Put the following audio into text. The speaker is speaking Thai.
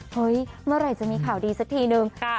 เฮ้ยเมื่อไหร่จะมีข่าวดีสักทีนึง